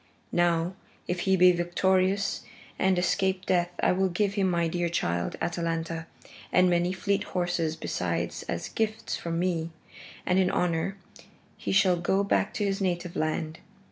Now, if he be victorious and escape death I will give him my dear child, Atalanta, and many fleet horses besides as gifts from me, and in honor he shall go back to his native land.